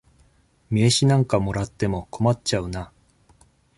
名刺なんかもらっても困っちゃうな。